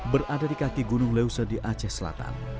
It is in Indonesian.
berada di kaki gunung leuser di aceh selatan